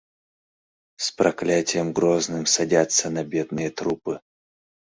С проклятием грозным садятся на бедные трупы.